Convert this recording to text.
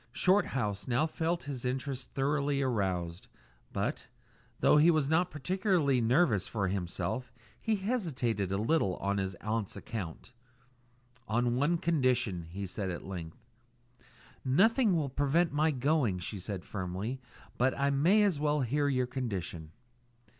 Shorthouse now felt his interest thoroughly aroused; but, though he was not particularly nervous for himself, he hesitated a little on his aunt's account. "On one condition," he said at length. "Nothing will prevent my going," she said firmly; "but I may as well hear your condition."